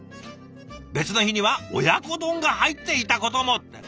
別の日には親子丼が入っていたことも。